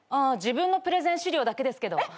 自分のプレゼン資料だけですけど。